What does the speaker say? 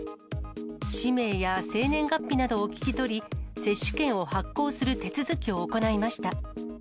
氏名や生年月日などを聞き取り、接種券を発行する手続きを行いました。